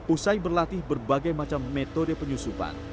usai berlatih berbagai macam metode penyusupan